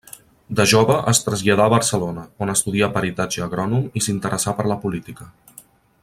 De jove es traslladà a Barcelona, on estudià peritatge agrònom i s'interessà per la política.